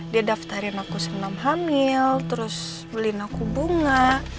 dia daftarin aku sebelum hamil terus beliin aku bunga